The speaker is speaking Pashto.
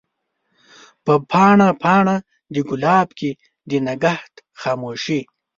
په پاڼه ، پاڼه دګلاب کښي د نګهت خاموشی